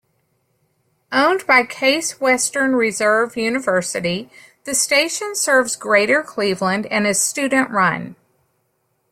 Owned by Case Western Reserve University, the station serves Greater Cleveland and is student-run.